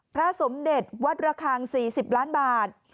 พระสมเด็จวัดระคัง๔๐ล้านบาท